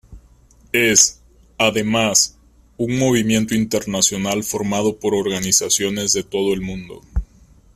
Es, además, un movimiento internacional formado por organizaciones de todo el mundo.